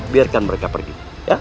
biarkan mereka pergi